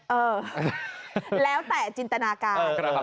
เออแล้วแต่จินตนาการ